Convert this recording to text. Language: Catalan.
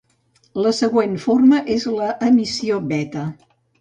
La següent forma és l'emissió beta.